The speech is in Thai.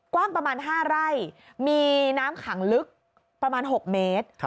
กว้างประมาณ๕ไร่มีน้ำขังลึกประมาณ๖เมตร